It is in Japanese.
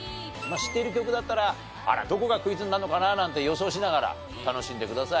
知っている曲だったらどこがクイズになるのかななんて予想しながら楽しんでください。